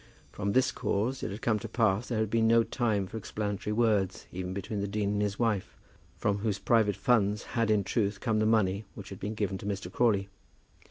From this cause it had come to pass there had been no time for explanatory words, even between the dean and his wife, from whose private funds had in truth come the money which had been given to Mr. Crawley.